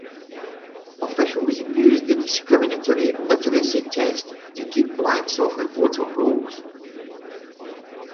Officials used the discriminatory literacy test to keep blacks off the voter rolls.